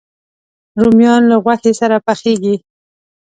رومیان له غوښې سره پخېږي